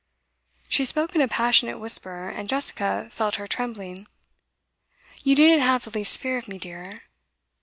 She spoke in a passionate whisper, and Jessica felt her trembling. 'You needn't have the least fear of me, dear.